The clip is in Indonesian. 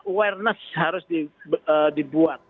awareness harus dibuat